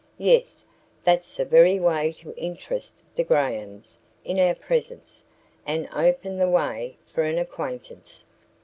Yes, that's the very way to interest the Grahams in our presence and open the way for an acquaintance."